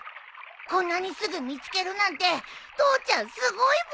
こんなにすぐ見つけるなんて父ちゃんすごいブー。